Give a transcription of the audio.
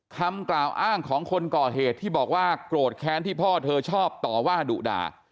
คำกล่าวอ้างของคนก่อเหตุที่บอกว่าโกรธแค้นที่พ่อเธอชอบต่อว่าดุด่า